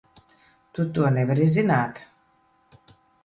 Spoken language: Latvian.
Tu to nevari zināt!